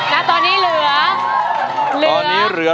แล้วตอนนี้เหลือ